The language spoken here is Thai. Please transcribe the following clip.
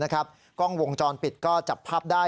กล้องวงจรปิดก็จับภาพได้